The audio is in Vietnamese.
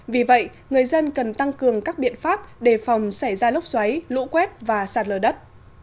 vì vậy người dân cần tăng cường các biện pháp đề phòng xảy ra lốc xoáy lũ quét và sạt lở đất